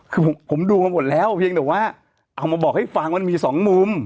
คือผมดูมาหมดแล้วเพียงแต่ว่าเอามาบอกให้ฟังว่ามีสองมุม